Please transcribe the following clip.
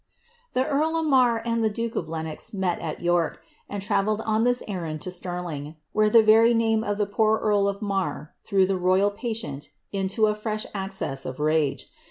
* The earl of Marr and the duke of Lenox met at York, and travelled on this errand to Stirling, where the very name of the poor earl of Marr threw the ro3ral patient into a fresh access of rage.